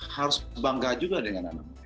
harus bangga juga dengan anak anak muda